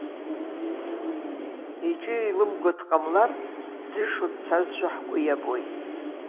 Иҿы еилымго дҟамлар, дӡышо дцазшәа ҳгәы иабоит.